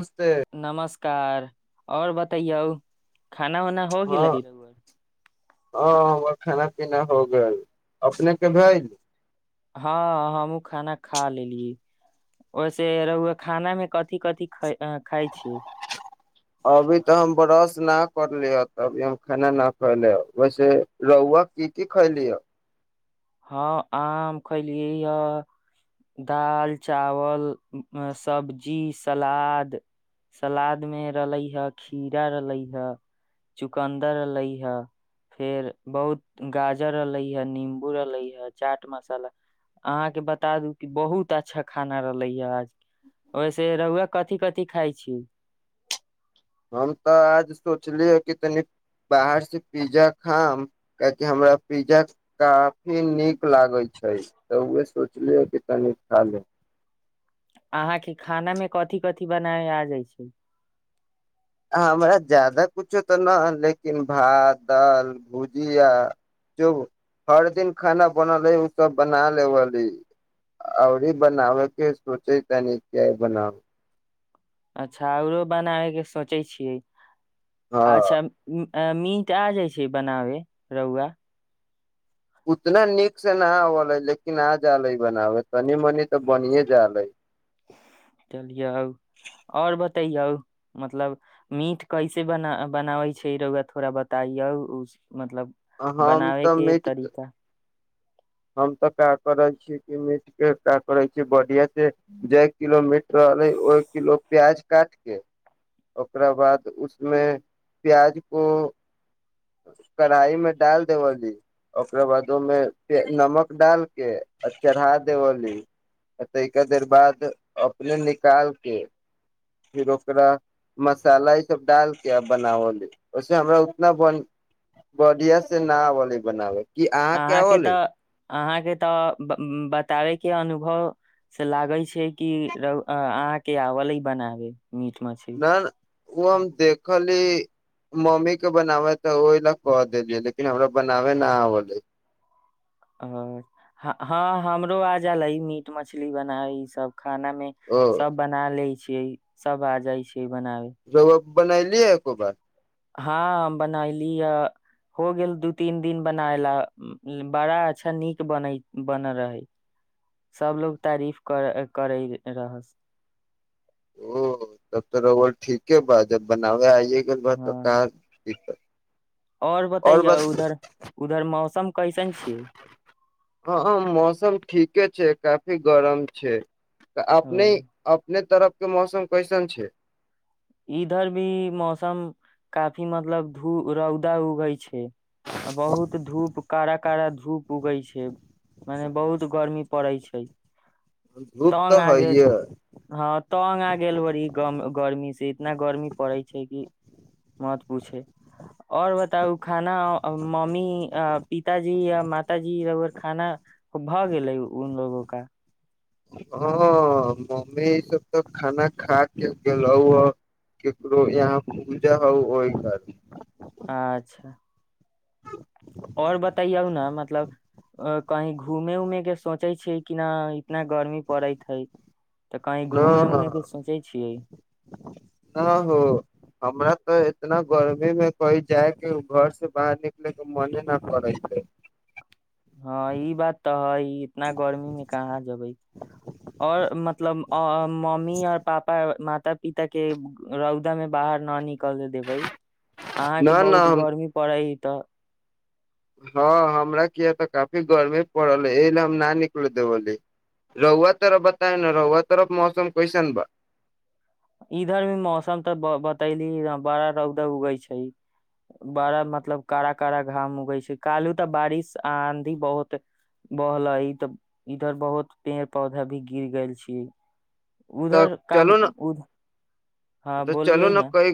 नमस्ते कार आओर बतैयौ खाना उनाा होग हँ गेल ईरग हँ खाना पीना हो गेल अपने के भेल हँ हमहुँ खाना खा लेलिय ओहिसे रह खाना मे कथि कथि ख खाइ छी अभी तऽ हम बरस न करली तभी हम खाना ना खैले वैसे रौआ की की खैली ह हँ आम खलियै हए दाल चावल सब्जी सलाद सलाद मे रहलै हे खीरा रहलै हे चुकन्दर रहले हे फेर बहुत गाजर रहलै हे निम रहलै ह चाट मसाला अहाँके बता दू कि बहुत अच्छा खाना रहलै ह आज ओहिस रहुआ कथी कथिी खाइ छी हम तऽ आज सोचलियै कि तनी बाहरसँ पिज्जा खाम कियाकि हमरा पिज्जा काफी नीक लागैत छै तऽ उह सोचलियै कि तनी खा ले अहाँके खाना मे कथिी कथिी बनाय आ जाइ छै हमरा जादा कछो तऽ नहि ह लेकिन भात दालि भुजिया जो हर दिन खाना बनल है ओसभ बना लेबी आओरी बनाबयके सोचे तनि क बनाउ अच्छा आओरो बनाबैके सोचै छियै हँ अच्छा अ मीट आ जाइ छै बनाबे रौआ उतना नीक से न आबल है लेकिन आ जाल है बनाबे तनी मनी तऽ बने जाल है चलियौ आओर बतैयौ मतलब मीठ कैसे बना बनाबै छै रौआ थोड़ा बताइौ मतलब हम तऽ बनाबैके मीट तरीका हम तऽ क्या करै छीयै कि मीट के क्य करै छी बढ़िया से जे किलो मीट रहलै ओहि किलो प्याज काट के ओकरा बाद उसमे प्याज को कढ़ाई मे डाल देबली ओकरा बाद ओहिमे नमक डाल के आ चढ़ा देवली आ ताहिके देर बाद अपने निकाल के फिर ओकरा मसाला ई सब डाल के आ बनावली ओहिसे हमरा उतना बढ़िया से न आवले बनाबे की अहाँ क्य अहाँके बोलै तऽ अहाँके तऽ बताबैके अनुभव से लागै छै कि र अहाँके आवलइ बनाबे मीट मछली न ओ हम देखली मम्मीके बनाबै तऽ ओहि लए कऽ देलियै लेकिन हमरा बनाबै नहि आबलै आओर हँ हमरो आजल मीट मछली बनाय ई सब खाना में ओ सब बना ले सब आ जाइ छै की बनाब बनायलिय एको बार हँ बनैली ह हो गेल दू तीन दिन बनाय ला बड़ा अच्छा नीक बनै बनल रहै सभलोग तारीफ कर करै रहस ओ तब तो रहल ठीक ह बा जब बनाबे आइ हँ बातऽ क द और आओर बतैय बस उधर उधर मौसम कैसन छियै हँ मौसम ठीके छै गरम छै तऽ अपने ओ, अपने तरफ के मौसम कैसन छै इधर भी मौसम काफी मतलब धू रौदा उगई छै बहुत धूप कड़क का धूप उगै छै मने बहुत गर्मी पड़ैत छै धूप ताँंग तऽ आ गेल हइये हँ ताँंग आ गेल बड़ी गम गर्मी से इतना गर्मी पड़ै छै कि मत पूछे आओर बताउ खाना मम्मी पिताजी य मातााजीकर खाना भऽ गेलै उ लोगो का हँ मम्मी ईसभ तऽ खाना खा के गेलहु ककरो यहाँ पूजा हौ ओहि घर अच्छा [unintelligible] और बतैयौ ने मतलब अ, कहीं घूमे उऊमे के सोचे छै कि न इतना गर्मी पड़ैत हइ तऽ कहीं घूमे उऊमे के न सोचै छियै न हो हमरा तऽ इतना गर्मी मे कही जायके घर से बाहर निकले के मने न करे छै हँ ई बात तऽ है इतना गर्मी मे कहाँ जेबै ओर मतलब मम्मी आओर पापा म माता पिता के रौदा में बाहर न निक क देबै अहाँ के न न बहुत हम गर्मी पड़ै कु तऽ हँ हमरा किया तऽ काफी गर्मी पड़ल है एहि ले हम न निकल देबली रहुआ तरफ बताए ने रहुआ तरफ मौसम कैसन बा इधर भी मौसम तऽ बतैली बड़ा रौदा उगै छै बड़ा मतलब कड़ा कड़ा घाम उगै छै काल्ू तऽ बारिश आंधी बहुत बहलै तऽ इधर बहुत पेड़ पौधा भी गिर गेल छै तऽ उधर काम चलू न उध हाँ तऽ चलू बोलियै ने ना कई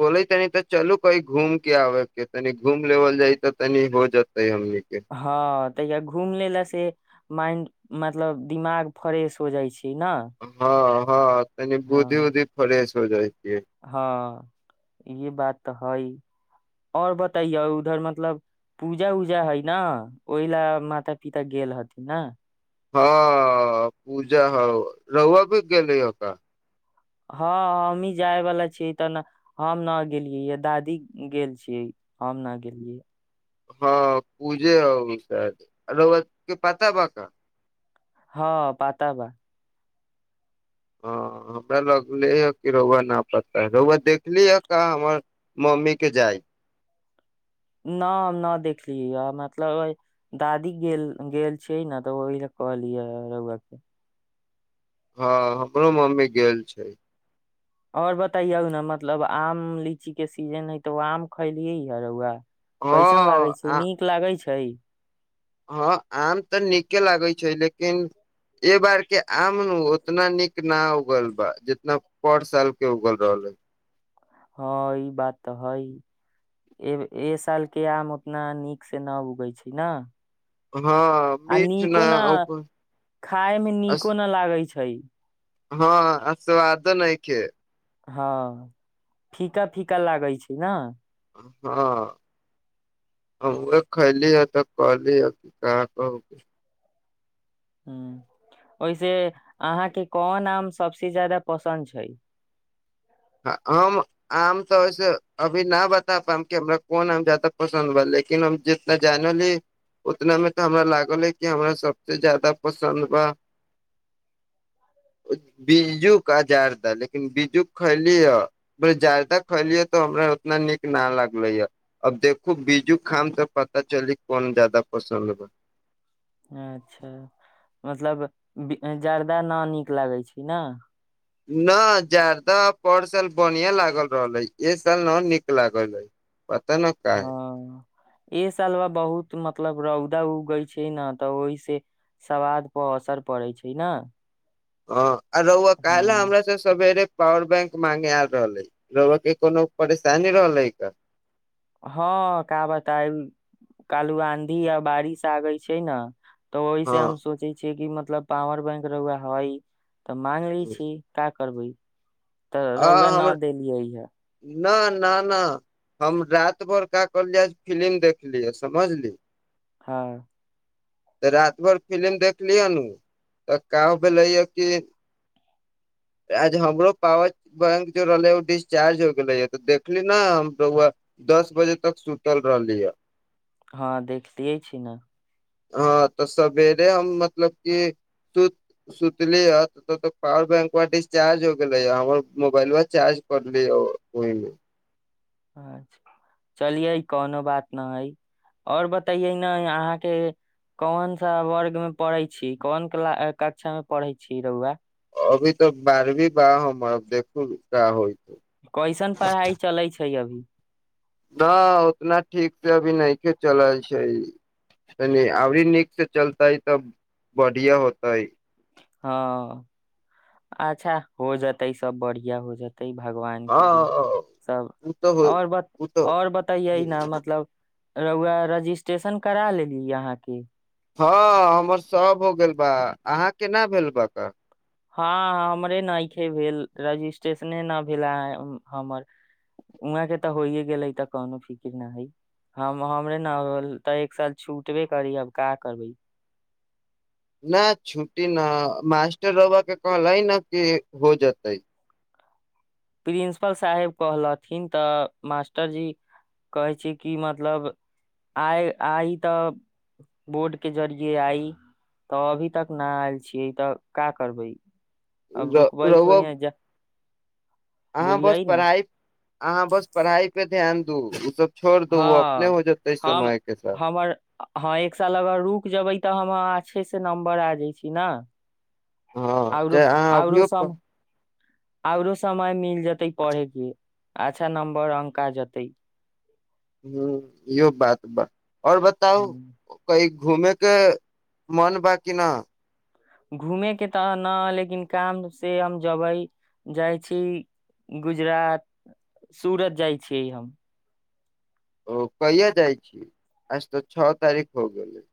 बोले तनी तऽ चलू कही घूम के आबै के त घूम लेबल जाइ तऽ तनि हो जेत हँ तऽ या घुम लेल ला से माइ मतलब दिमाग फ्रेश हो जाइ छै ना हँ हँ तनी बुद्धि हाँ बुद्धि फरे छै हो जाइ छै हँ ई बात तऽ हइ आओर बतैयो उधर मतलब पूजा उजा हइ ने ओहि लए माता पिता गेल हथिन ने हँ पूजा ह रहहुआ भी गेलल हक हँ हमही जायवलाा छीियै तऽ ने हम न गेलियै य दादी गेल छियै हम नहि गेलियै हँ पूजे अनसाद अरबत के पता ब का हँ पाताबा हँ हमरा लगले हे कि रौआ न पड़ता ह रौआ देखलीहे क हमर मम्मीके जाइ न हम न देखलियै मतलब दादी गेल गेल छियै ने तऽ ओहि ल कहलियै रौआके हँ हमरो मम्मी गेल छै ओर बताैयौ ने मतलब आम लीची के सीजन है तऽ आम खैलियै ह रौआ कैसन लागै हँ छै नीक लागै छै छै हँ आम तऽ नीके लागै छै लेकिन एहि बार के आम उतना नीक न उगल बा जितना पर साल के उगल रहल है हँ ई बात तऽ हइ ए साल के आम उतना नीक से न उगै छै न हँ आ मीठ नीको न खाय मे नीको न लागै छै छै हँ आ स्वादो नहि छै हँ फीका फीका लागै छै ने हँ हम उह खली ह तऽ कहली ह कि कहाँ कहू ह ओहिसे अहाँके कोन आम सबस जादा पसन्द छै हम आम तऽ वसे अभी न बता पब कि हमरा कोन आम जााद पसन्द बा लेकिन हम जितना जानली उतना मे तऽ हमरा लागल हे कि हमरा सबस जादा पसन्द बा बीजू आजार द लेकिन बीजू खैली ह जादा खैली तऽ हमरा उतना नीक न लागले या अब देखू बीजू खाम त पता चली कोन जादा पसन्द बा अच्छा मतलब जार्दा न नीक लागै छै ने न जादाा पर साल बढ़िआँ लागल रहल हइ ए साल न नीक लागल हइ पता न काहे हँ ए सलवा बहुत मतलब रौदा उगै छै ने तऽ ओहिसँ सवाद पर असर पड़ै छै ने हँ आ रुआ कालि ह हमरा सब सबेरे पॉावर बैंक मांगे आल रहल है ल के कोनो परेशानी रहलै हँ का बताय कालू आंधी आ बारिश आगैल छै ने तऽ ओहिसँ हम हँ सोचै छियै कि मत मतलब पावर बैंक रहुए हवाई तऽ मांगले छी का करबै तऽ आ रौए ना हम देलियै हे न न न हम रात भरका कहलिय फिलि्म देखलियै समझली हँ तऽ रातति भर फिलि्म देखली हन उ तऽ कह भेले य कि आज हमरो पावर बैंक जेो रहलै ओ डिस्चार्ज हो गेलै ह तऽ देखली ने हम दस बजे तक सुतल रहली ह हँ देखलियै छी ने हँ तऽ सवेरे हम मतलब कि सुत सुतली ह तक पावर बैंक वा डिस्चार्ज हो गेलै ह हमर मोबाइल वा चार्ज करलिय ह ओहिमे अछा चलियै कोनो बात न हइ आओर बतैयै ने अहाँके कोन सा वर्ग मे पढ़ै छी कोन क कक्षा मे पढ़ै छी रौआ अभी तऽ बारहवीं बाह म देखू का होइया कैसन पढ़ाइ चलै छै अभी न उतना ठीक से अभी नहि के चलल छै अभी नीक से चलतै तब बढ़िया होतै हँ अच्छा हो जेतै सब बढ़ििया हो जेतै तै हँ भगवानके दिन सब ओ तऽ होइ आओर ब ओ तऽ आओर बतैयै होइ ने मतलब रौआ रजिस्ट्रेशन करा लेली यहााँ कें हँ हमर श हो गेल बा अहाँ केना भेल बा हँ हमरे नऐे भेल रजिस्ट्रेशने न भेला हमर उहं के तऽ होइे गेलै तऽ कोनो फिक्र न हइ हम हमरे न होल तऽ एक साल छूटबे करी अब का करबै न छुट्टी न मास्टर बाबा के कहलै न कि हो जेतै प्रिंसिपल साहेब कहलथिन तऽ मास्टरजी कहै छै कि मतलब आइ आइ तऽ बोर्डके जरिये आइ तऽ अभी तक नहि आयल छियै तऽ का करबै अब रुकबाइ रौआ थोड़ी ह जा अहाँ बस पढ़ाइ अहाँ बस पढ़ाई पे [unintelligible] ओ अपने हँ हो जेतै हम समय के साथ हमर हँ एक साल अगर रुक जेबै तऽ हम अच्छे से नम्बर आ जाइ छी ने हँ च अहाँ अभियो प आओरो समय मिल जेतै पढ़ेके अच्छा नम्बर अंक आ जेतै ह इो बात पर आओर बताउ क घूमेके मोन बा कि न घूमेके तऽ ने लेकिन कामसँ हम जबै जाइ छी गुजरात सूरत जाइ छियै हम ओ कहिा जाइ छी आज तऽ छओ तारीख हो गेलै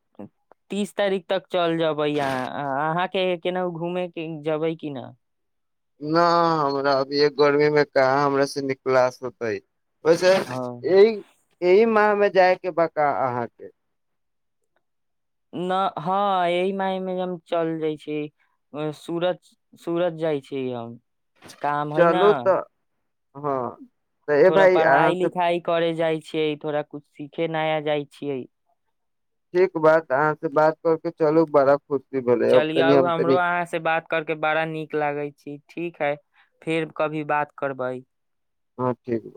तीस तारीख तक चल जेबै अहाँ अहाँके केनाहु घूमेके जेबै कि न न हमरा अभी गर्मी मे कहाँ हमर से निकलास होतै ओस हँ ई ई म मे जायके बका अहाँके न हँ एहि मायमे चल जाइ छी सूरज सूरज जाइ छै हम काम है चलू न तऽ हँ तऽ ए थोड़ा भाय अहाँ पढ़ाइ से लिखाइ कर जाइ छै थोड़ा कुछु सीखे न जाइ छियै ठीक बात अहाँ से बात करके चलू बड़ा खुशी भेलै अब तनी चलिउ हम हमरो तनी अहाँ से बात करके बड़ा नीक लागै छी ठीक है फेर कभी बात करबै हँ ठीक